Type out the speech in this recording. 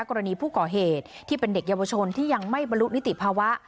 กรณีผู้ก่อเหตุที่เป็นเด็กเยาวชนที่ยังไม่บรรลุนิติภาวะ